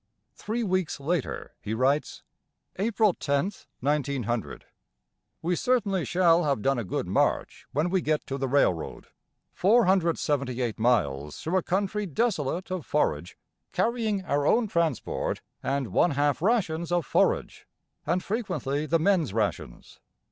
Three weeks later he writes: April 10th, 1900. We certainly shall have done a good march when we get to the railroad, 478 miles through a country desolate of forage carrying our own transport and one half rations of forage, and frequently the men's rations.